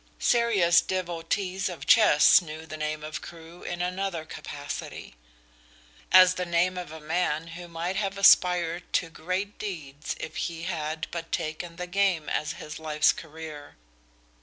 Serious devotees of chess knew the name of Crewe in another capacity as the name of a man who might have aspired to great deeds if he had but taken the game as his life's career.